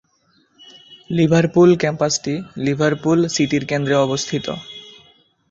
Liverpool ক্যাম্পাসটি Liverpool সিটির কেন্দ্রে অবস্থিত।